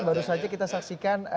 baru saja kita saksikan